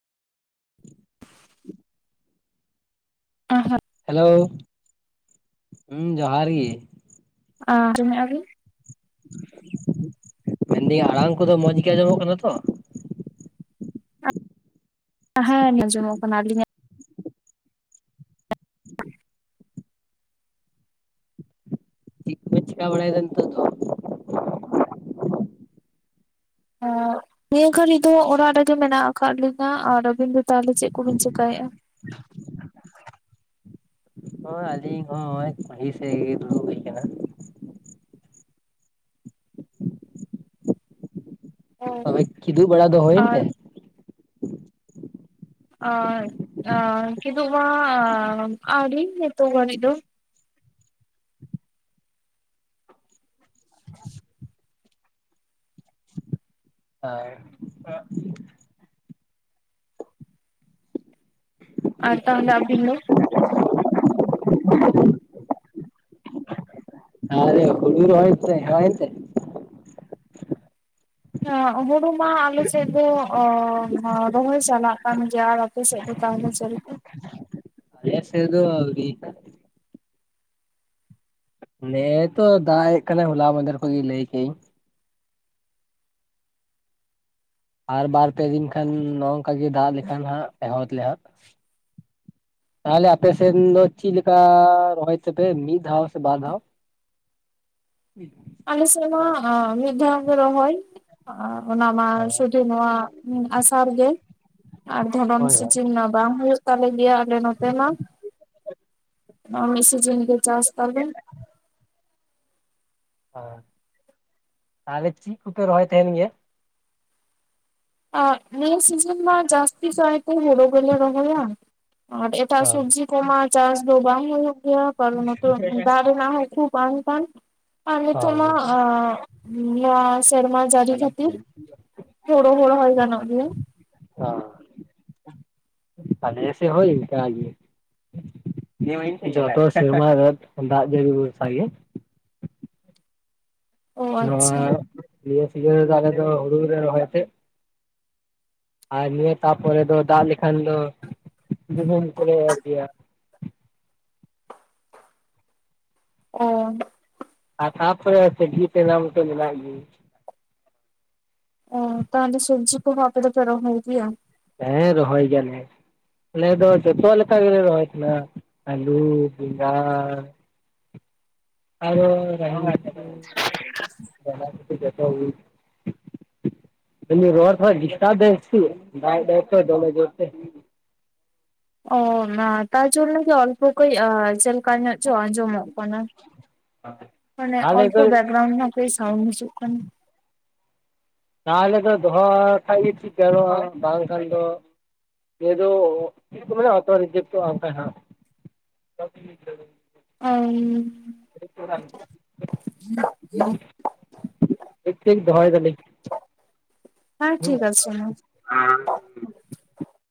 ᱮᱸ ᱦᱮᱜ ᱾ ᱦᱮᱞᱳ ᱦᱩᱸ ᱡᱚᱦᱟᱨ ᱜᱮ ᱾ ᱟᱸᱢᱚᱢ ᱮᱜᱟ ᱵᱤᱱ? ᱢᱮᱱ ᱫᱤᱹᱧ ᱟᱲᱟᱝ ᱠᱚᱫᱚ ᱢᱚᱡᱽ ᱜᱮ ᱟᱸᱡᱚᱢᱚᱜ ᱠᱟᱱᱟ ᱛᱚ? ᱦᱮᱸ ᱟᱸᱡᱚᱢᱚᱜ ᱠᱟᱱᱟ, ᱟᱹᱞᱤᱧ ᱟᱜ? [unintelligible] ᱪᱮᱠᱟ ᱵᱟᱲᱟᱭ ᱫᱟ ᱱᱤᱛᱚᱜ ᱫᱚ ᱱᱤᱭᱟᱹ ᱜᱷᱟᱹᱲᱤᱡ ᱫᱚ ᱚᱲᱟᱜ ᱨᱮ ᱜᱮ ᱢᱮᱱᱟᱜ ᱟᱠᱟᱜ ᱞᱤᱧᱟᱹ ᱟᱨ ᱟᱹᱵᱤᱱ ᱫᱚ ᱛᱟᱦᱞᱮ ᱪᱮᱫ ᱠᱚ ᱵᱤᱱ ᱪᱮᱠᱟᱭᱮᱜᱼᱟ? [inaudible] ᱦᱳᱭ ᱟᱹᱞᱤᱧ ᱦᱚᱸ ᱱᱚᱜᱼᱚᱭ ᱠᱩᱞᱦᱤ ᱥᱮᱜ ᱜᱮ ᱫᱩᱲᱩᱵ ᱦᱩᱭ ᱠᱟᱱᱟ ᱾ ᱚ ᱛᱚᱵᱮ ᱠᱤᱫᱩᱜ ᱵᱟᱲᱟ ᱫᱚ ᱦᱩᱭ ᱮᱱ ᱟᱨ ᱛᱮ ᱚᱸ ᱚᱸ ᱠᱤᱫᱩᱜ ᱢᱟ ᱟᱹᱣᱨᱤ ᱱᱤᱛᱳᱜ ᱦᱟᱵᱤᱡ ᱫᱚ [inaudible] [unintelligible] ᱟᱨ ᱛᱟᱦᱚᱞᱮ ᱟᱵᱤᱱ ᱫᱚ [inaudible] ᱟᱨᱮ ᱦᱩᱲᱩ ᱨᱚᱦᱚᱭ ᱛᱮ ᱦᱚᱭᱛᱮ ᱦᱩᱲᱩ ᱢᱟ ᱟᱞᱮ ᱥᱮᱫ ᱫᱚ ᱨᱚᱦᱚᱭ ᱪᱟᱞᱟᱜ ᱠᱟᱱ ᱜᱮᱭᱟ ᱟᱯᱮ ᱥᱮᱫ ᱫᱚ ᱛᱟᱦᱚᱞᱮ ᱪᱮᱫ ᱞᱮᱠᱟ ᱟᱞᱮ ᱥᱮᱫ ᱫᱚ ᱟᱣᱹᱨᱤᱭᱟ ᱱᱮᱜ- ᱮ ᱛᱚ ᱫᱟᱜ ᱦᱮᱡ ᱠᱟᱱᱟᱭ ᱦᱚᱞᱟ ᱢᱟᱫᱷᱮᱨ ᱠᱷᱚᱡ ᱜᱮ ᱞᱟᱹᱭ ᱠᱮᱫ ᱟᱹᱧ ᱟᱨ ᱵᱟᱨ ᱯᱮ ᱫᱤᱱ ᱠᱷᱟᱱ ᱱᱚᱜ ᱱᱚᱝᱠᱟ ᱜᱮ ᱫᱟᱜ ᱞᱮᱠᱷᱟᱱ ᱦᱟᱸᱜ ᱮᱦᱚᱵ ᱞᱮ ᱦᱟᱸᱜ [inaudible] ᱛᱟᱦᱚᱞᱮ ᱟᱯᱮᱥᱮᱫ ᱫᱚ ᱪᱮᱫ ᱞᱮᱠᱟ ᱨᱚᱦᱚᱭ ᱛᱮᱯᱮ ᱢᱤᱫ ᱫᱷᱟᱣ ᱥᱮ ᱵᱟᱨ ᱫᱷᱟᱣ [unintelligible] ᱟᱞᱮ ᱥᱮᱡ ᱢᱟ ᱢᱤᱫ ᱫᱷᱟᱣ ᱜᱮ ᱨᱚᱦᱚᱭ ᱚᱱᱟ ᱢᱟ [unintelligible] ᱱᱚᱣᱟ ᱟᱥᱟᱲ ᱜᱮ ᱟᱨ ᱫᱷᱚᱨᱚᱱ ᱦᱳᱭ ᱦᱳᱭ ᱥᱮᱡᱤᱱ ᱢᱟ ᱵᱟᱝ ᱦᱳᱭᱳᱜ ᱛᱟᱞᱮ ᱜᱮᱭᱟ ᱟᱞᱮ ᱱᱚᱛᱮ ᱢᱟ ᱢᱤᱫ ᱥᱤ ᱡᱤᱱ ᱜᱮ ᱪᱟᱥ ᱛᱟᱞᱮ ᱟ ᱛᱟᱦᱞᱮ ᱪᱮᱫ ᱠᱚᱯᱮ ᱨᱚᱦᱚᱭ ᱛᱟᱦᱮᱱ ᱜᱮᱭᱟ ᱟᱜ ᱱᱤᱭᱟ ᱥᱤᱡᱤᱱ ᱢᱟ ᱡᱟᱥᱹᱛᱤ ᱠᱟᱭ ᱛᱮ ᱦᱩᱲᱳ ᱠᱚ ᱜᱮᱞᱮ ᱨᱚᱦᱚᱭᱟ ᱟᱨ ᱮᱴᱟᱜ ᱜᱮᱭᱟ? ᱥᱚᱵᱡᱤ ᱠᱚᱢᱟ ᱪᱟᱥ ᱫᱚ ᱵᱟᱝ ᱦᱩᱭᱩᱜ ᱜᱮᱭᱟ ᱠᱟᱨᱟᱱ ᱫᱟᱜ ᱨᱮᱱᱟᱜ ᱦᱚ ᱠᱷᱩᱵ ᱯᱟᱱᱴᱟᱱ ᱟᱨ ᱱᱤᱛᱚᱜ ᱢᱟ ᱟᱜ ᱱᱤᱭᱟᱹ ᱥᱮᱨᱢᱟ ᱡᱟᱲᱤ ᱠᱷᱟᱹᱛᱤᱨ [inaudible] [unintelligible] ᱨᱚᱦᱚᱭ ᱜᱟᱱᱚᱜ ᱜᱮᱭᱟ ᱚ ᱟᱞᱮ ᱥᱮᱫ ᱦᱚᱸ ᱤᱱᱠᱟ ᱜᱮ ᱡᱚᱛᱚ ᱥᱮᱨᱢᱟ ᱨᱮ ᱫᱟᱜ ᱡᱟᱹᱲᱤ ᱵᱚᱨᱥᱟ ᱜᱮ ᱚ ᱱᱚᱣᱟ ᱟᱪᱪᱷᱟ ᱱᱤᱭᱟᱹ ᱥᱤᱡᱤᱱ ᱨᱮᱫᱚ ᱟᱞᱮᱫᱚ ᱦᱩᱲᱩ ᱞᱮ ᱨᱚᱦᱚᱭ ᱛᱮ ᱟᱨ ᱱᱤᱭᱟᱹ ᱛᱟᱯᱚᱨᱮ ᱫᱚ ᱫᱟᱜ ᱞᱮᱠᱷᱟᱱ ᱫᱚ ᱜᱩᱦᱩᱢ ᱠᱚᱞᱮ ᱮᱨ ᱜᱮᱭᱟ ᱚ ᱟᱨ ᱛᱟᱯᱚᱨᱮ [unintelligible] ᱢᱟᱛᱚ ᱢᱮᱱᱟᱜ ᱜᱮ ᱚ ᱛᱟᱦᱚᱞᱮ ᱥᱩᱵᱡᱤ ᱠᱚᱦᱚᱸ ᱟᱯᱮ ᱫᱚᱯᱮ ᱨᱚᱦᱚᱭ ᱜᱮᱭᱟ ᱦᱮᱸ ᱨᱚᱦᱚᱭ ᱜᱮᱭᱟᱞᱮ ᱟᱞᱮ ᱫᱚ ᱡᱚᱛᱚ ᱞᱮᱠᱟ ᱜᱮᱞᱮ ᱨᱚᱦᱚᱭ [unintelligible] ᱟᱞᱩ ᱵᱮᱸᱜᱟᱲ ᱟᱨᱚ [unintelligible] ᱨᱚᱲ ᱠᱚᱦᱚ ᱰᱤᱥᱴᱟᱯ ᱫᱟᱭ ᱥᱮ ᱪᱮᱫ ᱫᱟᱜ ᱫᱟᱭ ᱛᱚ ᱫᱚᱢᱮ ᱡᱳᱨ ᱛᱮ ᱚ ᱛᱟᱨ ᱡᱟᱱᱱᱮ ᱜᱮ ᱚᱞᱯᱚ ᱠᱟᱹᱡ ᱡᱮᱞ ᱠᱟ ᱧᱚᱜ ᱪᱚ ᱟᱸᱡᱚᱢᱚᱜ ᱠᱟᱱᱟ ᱢᱟᱱᱮ ᱛᱟᱦᱚᱞᱮ ᱚᱞᱯᱚ ᱮᱠᱴᱩ ᱵᱮᱜᱨᱟᱣᱩᱱ ᱦᱚᱸ ᱠᱟᱹᱡ ᱥᱟᱣᱩᱱᱰ ᱦᱤᱡᱩᱜ ᱠᱟᱱᱟ ᱛᱟᱦᱚᱞᱮ ᱫᱚ ᱫᱚᱦᱚ ᱠᱷᱟ ᱜᱮ ᱴᱷᱤᱠᱟᱨᱚᱜᱼᱟ ᱵᱟᱝᱠᱷᱟᱱ ᱫᱚ [unintelligible] ᱚᱴᱳ ᱨᱤᱡᱮᱠᱴ ᱚᱜ - ᱟ ᱵᱟᱝᱠᱷᱟᱡ ᱦᱟᱜ ᱚ [unintelligible] ᱴᱤᱠ ᱴᱤᱠ ᱫᱚᱦᱚᱭ ᱫᱟᱞᱤᱧ ᱦᱮᱸ ᱦᱩᱸ᱾ ᱴᱷᱤᱠ ᱟᱪᱷᱮ [inaudible]